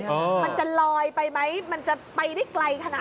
มันจะลอยไปไหมมันจะไปได้ไกลขนาดไหน